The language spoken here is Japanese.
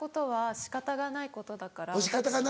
仕方がないことだから。